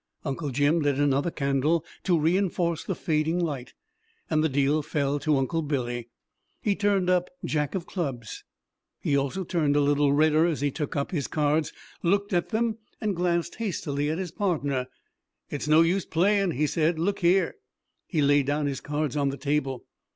Uncle Jim lit another candle to reinforce the fading light, and the deal fell to Uncle Billy. He turned up Jack of clubs. He also turned a little redder as he took up his cards, looked at them, and glanced hastily at his partner. "It's no use playing," he said. "Look here!" He laid down his cards on the table.